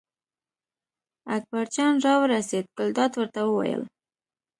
اکبرجان راورسېد، ګلداد ورته وویل.